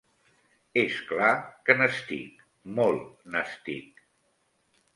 És clar que n'estic. Molt n'estic.